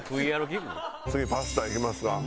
次パスタいきますわ。